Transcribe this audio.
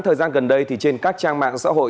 thời gian gần đây thì trên các trang mạng xã hội